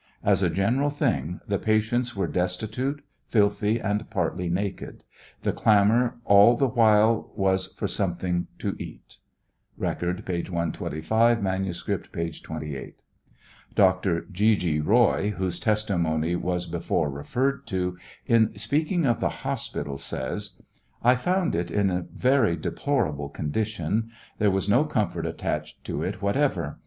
As a general thing the patients were destitute, filthy, and partly naked. The clamor all the while was for something to eat. (Record, p 125; manuscript, p. 28.) Dr. Gr. G. Roy, whose testimony was before referred to, in speaking of the hospital, says: I found it in a very deplorable condition. There was no comfort attached to it whatever.